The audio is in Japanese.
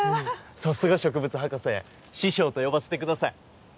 さすが植物博士師匠と呼ばせてください